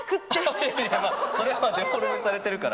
それはデフォルメされてるから。